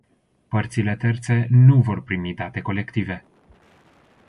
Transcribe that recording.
Părțile terțe nu vor primi date colective.